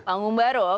panggung baru oke